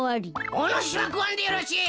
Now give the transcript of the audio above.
おぬしはくわんでよろしい！